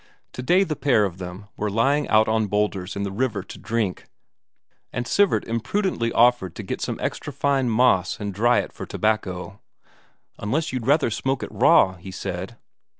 Today the pair of them were lying out on boulders in the river to drink, and Sivert imprudently offered to get some extra fine moss and dry it for tobacco "unless you'd rather smoke it raw?" he said.